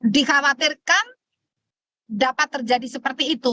dikhawatirkan dapat terjadi seperti itu